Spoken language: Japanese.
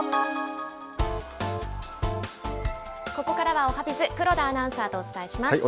ここからはおはＢｉｚ、黒田アナウンサーとお伝えします。